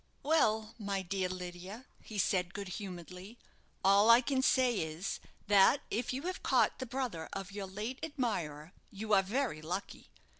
"Well, my dear Lydia," he said, good humouredly, "all I can say is, that if you have caught the brother of your late admirer, you are very lucky.